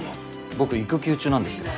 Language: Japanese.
僕育休中なんですけど。